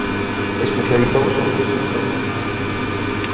Especializouse en física atómica.